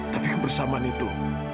tapi kebersamaan itu